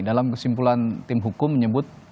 dalam kesimpulan tim hukum menyebut